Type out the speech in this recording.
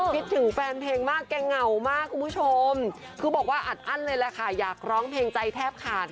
พี่รุ่งไปเลยเพื่อนบ้านว่าไงอ่ะ